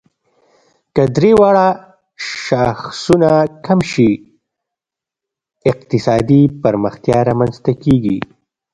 که درې واړه شاخصونه کم شي، اقتصادي پرمختیا رامنځ ته کیږي.